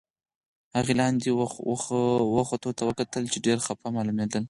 هغې لاندې و ختو ته وکتل، چې ډېر خپه معلومېدل.